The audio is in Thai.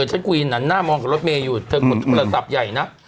ฉันคุยหันหน้ามองกับรถเมย์อยู่เธอกดโทรศัพท์ใหญ่นะ